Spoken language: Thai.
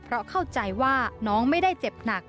เพราะเข้าใจว่าน้องไม่ได้เจ็บหนัก